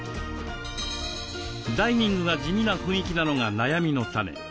ダイニングが地味な雰囲気なのが悩みの種。